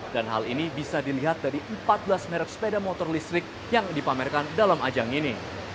dan hal ini bisa dilihat dari empat belas merek sepeda motor listrik yang dipamerkan dalam ajang ini